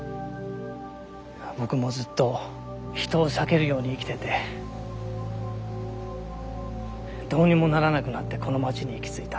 僕もずっと人を避けるように生きててどうにもならなくなってこの町に行き着いた。